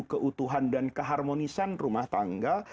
keutuhan dan keharmonisan rumah tangga